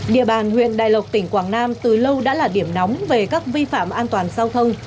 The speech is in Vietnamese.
địa bàn huyện đài lộc tỉnh quảng nam từ lâu đã là điểm nóng về các vi phạm an toàn giao thông